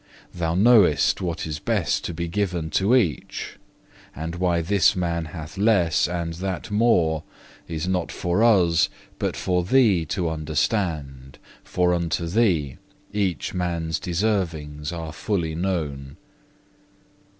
Thou knowest what is best to be given to each; and why this man hath less, and that more, is not for us but for Thee to understand, for unto Thee each man's deservings are fully known.